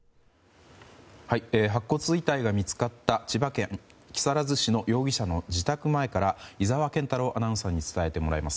白骨遺体が見つかった千葉県木更津市の容疑者の自宅前から井澤健太朗アナウンサーに伝えてもらいます。